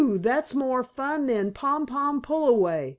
that's more fun than pom pom pull away!"